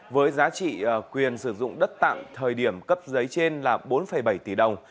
với giá trị quyền sử dụng đất tặng thời điểm cấp giấy trên là bốn bảy tỷ đồng